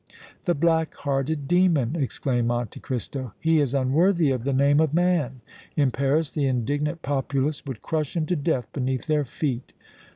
"The black hearted demon!" exclaimed Monte Cristo. "He is unworthy of the name of man! In Paris the indignant populace would crush him to death beneath their feet!"